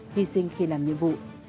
hy sinh khi làm nhiệm vụ